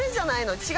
違う？